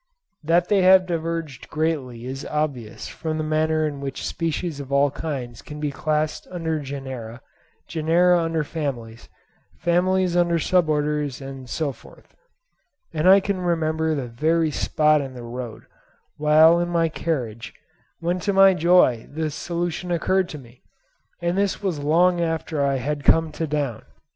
That they have diverged greatly is obvious from the manner in which species of all kinds can be classed under genera, genera under families, families under sub orders and so forth; and I can remember the very spot in the road, whilst in my carriage, when to my joy the solution occurred to me; and this was long after I had come to Down.